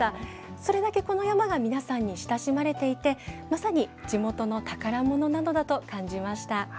それだけこの山が皆さんに親しまれていて、まさに地元の宝物なのだと感じました。